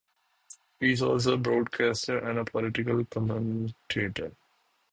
He is also a broadcaster and a political commentator.